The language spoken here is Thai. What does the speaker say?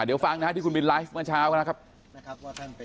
เดี๋ยวฟังนะครับที่คุณบินไลฟ์เมื่อเช้ากันนะครับ